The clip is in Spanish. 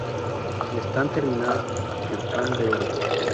Están terminadas en pan de oro.